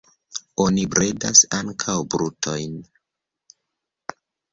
Oni bredas ankaŭ brutojn.